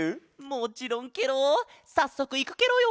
もちろんケロさっそくいくケロよ！